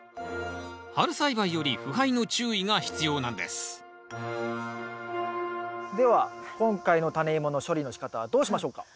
春栽培より腐敗の注意が必要なんですでは今回のタネイモの処理の仕方はどうしましょうか？